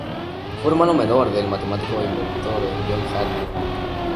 Fue el hermano menor del matemático e inventor John Hadley.